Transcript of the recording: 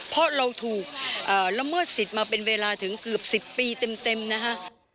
เพราะเราถูกละเมิดสิทธิ์มาเป็นเวลาถึงเกือบ๑๐ปีเต็มนะคะ